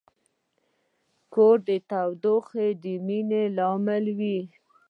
د کور تودوخه د مینې له امله وي.